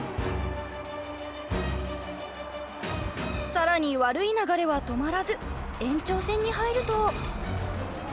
更に悪い流れは止まらず延長戦に入ると。